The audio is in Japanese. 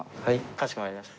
かしこまりました。